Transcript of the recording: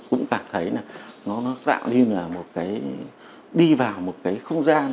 cũng cảm thấy nó tạo nên là đi vào một cái không gian